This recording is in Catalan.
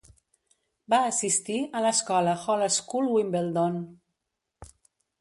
Va assistir a l'escola Hall School Wimbledon.